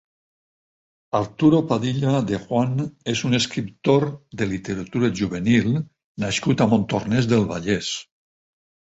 Arturo Padilla De Juan és un escriptor de literatura juvenil nascut a Montornès del Vallès.